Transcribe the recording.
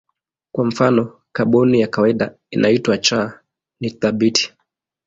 Kwa mfano kaboni ya kawaida inayoitwa C ni thabiti.